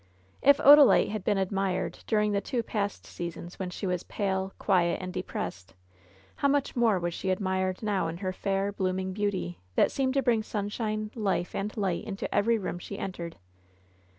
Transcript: If Odalite had been admired during the two past sea sons when she was pale, quiet and depressed, how much more was she admired now in her fair, blooming beauty, that seemed to bring sunshine, life and light into every room she entered.